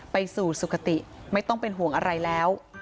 ไปสู่สุขติไม่ต้องเป็นห่วงอะไรแล้ว